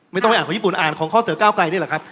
ไม่ต้องไปอ่านของญี่ปุ่นอ่านของข้อเสือก้าวไกลนี่แหละครับ